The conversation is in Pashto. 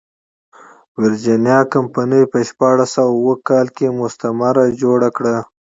ویرجینیا کمپنۍ په شپاړس سوه اووه کال کې مستعمره جوړه کړه.